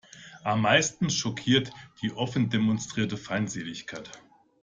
Am meisten schockiert die offen demonstrierte Feindseligkeit.